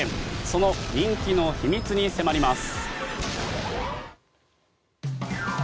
その人気の秘密に迫ります。